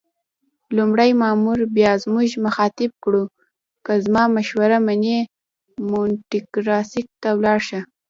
لومړي مامور بیا موږ مخاطب کړو: که زما مشوره منې مونټریکس ته ولاړ شه.